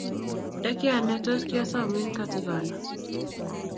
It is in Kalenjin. nda kianai tos kiosomin katigono.